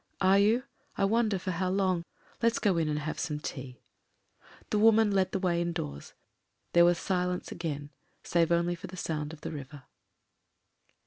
"Are you? I wonder for how long. Let's go in and have some tea." The woman led the way indoors ; there was silence again save only for the sound of the river.